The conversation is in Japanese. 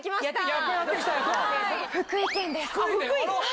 福井県です。